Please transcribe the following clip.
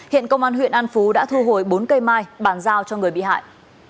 hiện công an huyện an phú đã thu hồi bốn cây mai bàn giao cho người bị hại